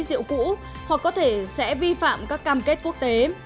rượu cũ hoặc có thể sẽ vi phạm các cam kết quốc tế